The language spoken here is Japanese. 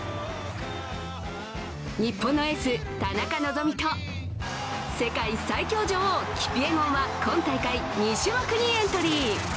日本のエース・田中希実と世界最強女王・キピエゴンは今大会２種目にエントリー。